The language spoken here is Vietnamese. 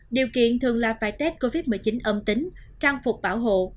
điều kiện thường là phải tết covid một mươi chín âm tính trang phục bảo hộ